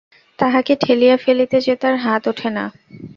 তাহাকে ঠেলিয়া ফেলিতে যে হাত ওঠে না।